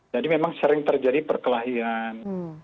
jadi memang sering terjadi perkelahian